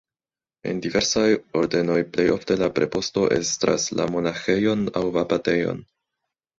En diversaj ordenoj plej ofte la preposto estras la monaĥejon aŭ abatejon.